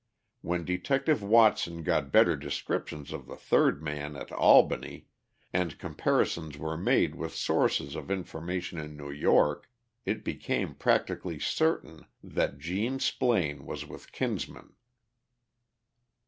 When Detective Watson got better descriptions of the third man at Albany, and comparisons were made with sources of information in New York, it became practically certain that Gene Splaine was with Kinsman.